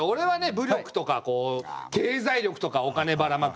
武力とか経済力とかお金ばらまく。